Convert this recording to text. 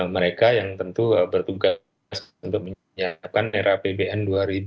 mereka yang tentu bertugas untuk menyiapkan rapbn dua ribu dua puluh